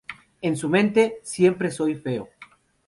En su mente, "Siempre soy feo".